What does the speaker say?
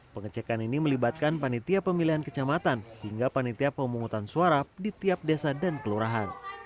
pengecekan ini melibatkan panitia pemilihan kecamatan hingga panitia pemungutan suara di tiap desa dan kelurahan